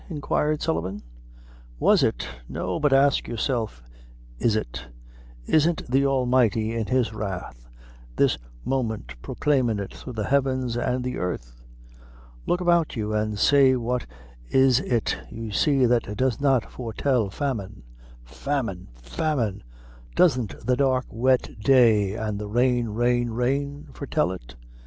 inquired Sullivan. "Was it? No; but ax yourself is it. Isn't the Almighty in his wrath, this moment proclaimin' it through the heavens and the airth? Look about you, and say what is it you see that does not foretel famine famine famine! Doesn't the dark wet day, an' the rain, rain, rain, foretel it?